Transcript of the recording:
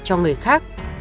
cho người khác